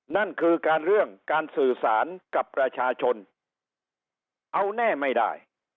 นั่นคือการเรื่องการสื่อสารกับประชาชนเอาแน่ไม่ได้